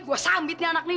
gua sambit nih anak ini